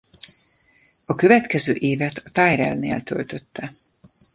A következő évet a Tyrrellnél töltötte.